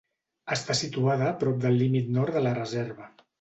Està situada prop del límit nord de la Reserva.